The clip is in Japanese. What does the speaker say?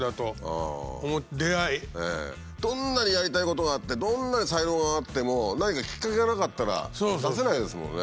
どんなにやりたいことがあってどんなに才能があっても何かきっかけがなかったら出せないですもんね。